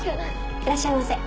いらっしゃいませ。